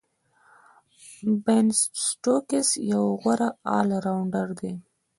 بین سټوکس یو غوره آل راونډر دئ.